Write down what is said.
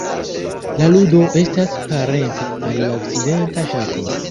La ludo estas parenca al la okcidenta ŝako.